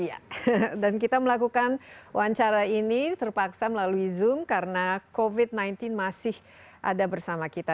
iya dan kita melakukan wawancara ini terpaksa melalui zoom karena covid sembilan belas masih ada bersama kita